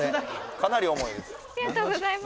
かなり重いです